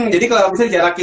jadi kalau bisa jarakin